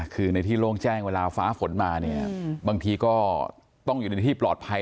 คือในที่โล่งแจ้งเวลาฟ้าฝนมาเนี่ยบางทีก็ต้องอยู่ในที่ปลอดภัย